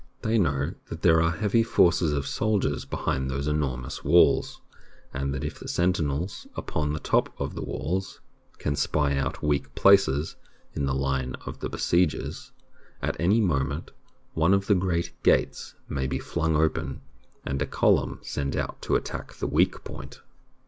They know that there are heavy forces of soldiers behind those enormous walls, and that if the sentinels upon the top of the walls can spy out weak places in the line of be siegers, at any moment one of the great gates may be flung open and a column sent out to attack the weak point.